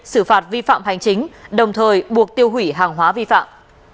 xử phạt vi phạm hành chính đồng thời buộc tiêu hủy hàng hóa vi phạm